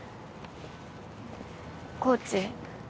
コーチ。